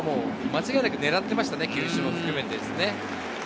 間違いなく狙っていましたね、球種も含めてですね。